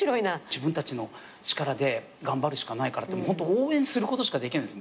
自分たちの力で頑張るしかないからってホント応援することしかできない。